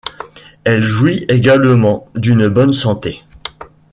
Elle jouit également d'une bonne santé.